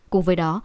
cùng với đó